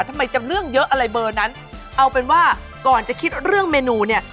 ทำไมจำเรื่องเยอะอะไรเบอร์นั้นเอาเป็นว่าก่อนจะคิดเรื่องเมนูเนี่ย